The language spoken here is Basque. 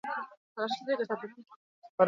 Gaur amaituko da lanak igotzeko epea.